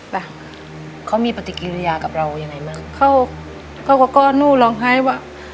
แปลกเขามีปฏิกิริยากับเรายังไงมากเขาเขาก็ก้อนหนูหล่องหายว่า